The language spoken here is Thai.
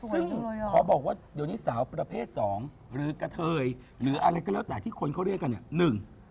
ซึ่งขอบอกว่าเดี๋ยวนี้สาวประเภทสองหรือกระเทยหรืออะไรก็แล้วแต่ที่คนเขาเรียกกันเนี่ย